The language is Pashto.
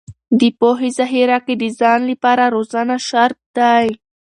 د پوهې ذخیره کې د ځان لپاره روزنه شرط دی.